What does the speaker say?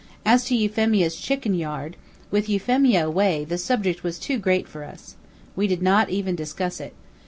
As to Euphemia's chicken yard, with Euphemia away, the subject was too great for us. We did not even discuss it.